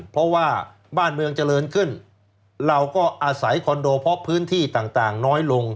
เพราะว่าบ้านเมืองเจริญขึ้นเราก็อาศัยคอนโดเพราะพื้นที่ต่างน้อยลง